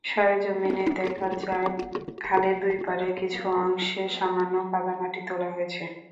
সরেজমিনে দেখা যায়, খালের দুই পাড়ের কিছু অংশে সামান্য কাদামাটি তোলা হয়েছে।